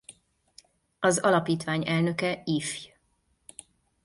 Az alapítvány elnöke Ifj.